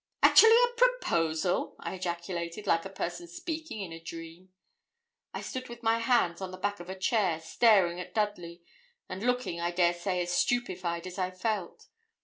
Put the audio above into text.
'Actually a proposal!' I ejaculated, like a person speaking in a dream. I stood with my hand on the back of a chair, staring at Dudley; and looking, I dare say, as stupefied as I felt.